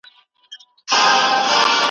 له بېلتونه به ژوندون راته سور اور سي ,